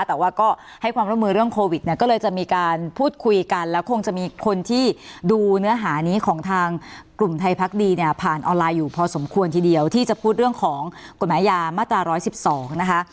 แต่ว่าก็ให้ความร่วมมือเรื่องโควิดเนี่ยก็เลยจะมีการพูดคุยกันแล้วคงจะมีคนที่ดูเนื้อหานี้ของทางกลุ่มไทยพักดีเนี่ยผ่านออนไลน์อยู่พอสมควรทีเดียวที่จะพูดเรื่องของกฎหมายยามาตรา๑๑๒นะคะ